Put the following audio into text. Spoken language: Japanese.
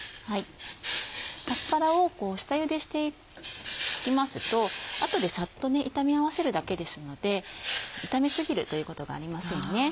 アスパラを下ゆでしておきますと後でサッと炒め合わせるだけですので炒め過ぎるということがありませんね。